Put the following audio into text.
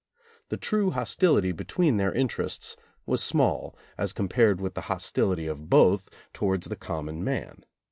The true hostility between their interests was small as compared with the hostility of both towards the common man.